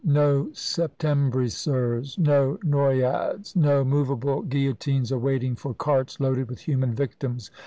no Septembrisers! no noyades! no moveable guillotines awaiting for carts loaded with human victims!